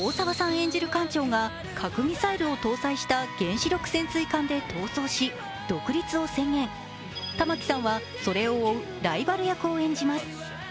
演じる艦長が核ミサイルを搭載した原子力潜水艦で逃走し、玉木さんはそれを追うライバル役を演じます。